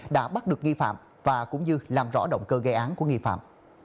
đã bắt được nghi phạm và cũng như làm rõ động cơ gây án của nghi phạm